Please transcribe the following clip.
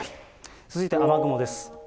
続いて雨雲です。